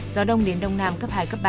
gió đông đến đông nam cấp hai ba